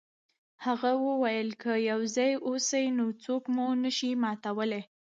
هغه وویل که یو ځای اوسئ نو څوک مو نشي ماتولی.